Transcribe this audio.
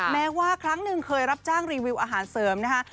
แม้ว่าครั้งหนึ่งเคยรับจ้างรีวิวอาหารเสริมนะคะ